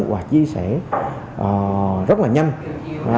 và chia sẻ rất là nhanh